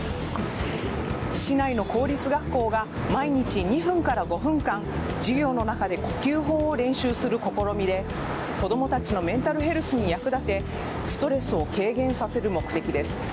市内の公立学校が毎日２分から５分間授業の中で呼吸法を練習する試みで子供たちのメンタルヘルスに役立てストレスを軽減させる目的です。